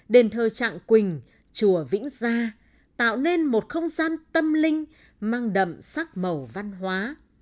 đền thờ trạng quỳnh chùa vĩnh gia tạo nên một không gian tâm linh mang đậm sắc màu văn hóa